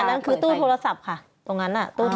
อันนั้นคือตู้โทรศัพท์ค่ะตรงนั้นน่ะ